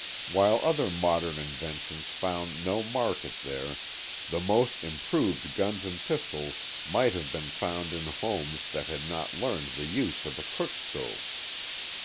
While other modern inventions found no market there, the most improved guns and pistols might have been found in homes that had not learned the use of a cook stove.